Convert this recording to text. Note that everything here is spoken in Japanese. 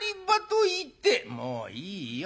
「もういいよ。